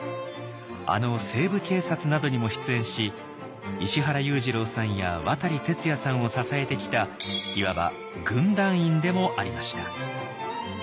あの「西部警察」などにも出演し石原裕次郎さんや渡哲也さんを支えてきたいわば軍団員でもありました。